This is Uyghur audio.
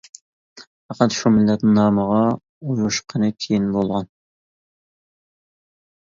پەقەت شۇ مىللەت نامىغا ئۇيۇشقىنى كېيىن بولغان.